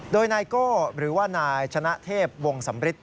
โดยนายโก้หรือว่านายชนะเทพวงสำริท